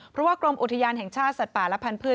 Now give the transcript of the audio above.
เพราะว่ากรมอุทยานแห่งชาติสัตว์ป่าและพันธุ์